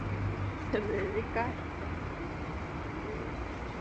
Desde entonces se dedica profesionalmente al márketing.